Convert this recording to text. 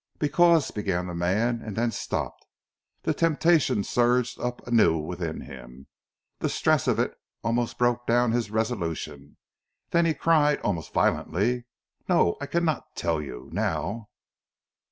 "Because " began the man, and then stopped. The temptation surged up anew within him, the stress of it almost broke down his resolution. Then he cried, almost violently, "No! I cannot tell you now."